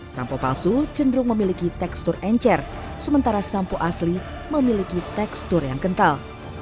sampo palsu cenderung memiliki tekstur encer sementara sampo asli memiliki tekstur yang kental